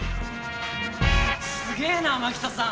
すげえな蒔田さん。